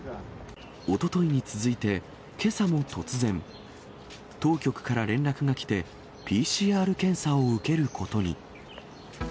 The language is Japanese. おとといに続いて、けさも突然、当局から連絡が来て、ＰＣＲ検査を受けることに。